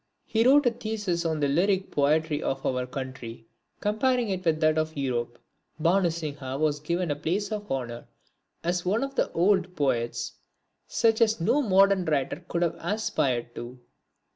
He wrote a thesis on the lyric poetry of our country comparing it with that of Europe. Bhanu Singha was given a place of honour as one of the old poets such as no modern writer could have aspired to.